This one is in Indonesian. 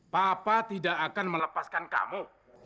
papa tidak akan melepaskan kamu